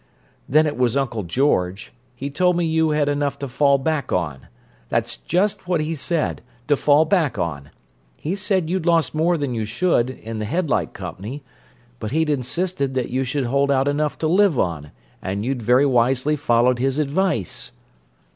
"Then it was Uncle George. He told me you had enough to fall back on. That's just what he said: 'to fall back on.' He said you'd lost more than you should, in the headlight company, but he'd insisted that you should hold out enough to live on, and you'd very wisely followed his advice."